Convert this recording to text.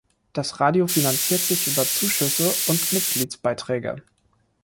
Das Radio finanziert sich über Zuschüsse und Mitgliedsbeiträge.